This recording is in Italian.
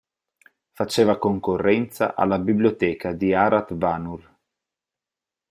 Faceva concorrenza alla biblioteca di Arat Vanur.